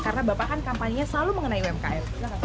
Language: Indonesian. karena bapak kan kampanye selalu mengenai umkm